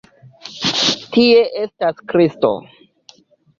Tie estas Kristo!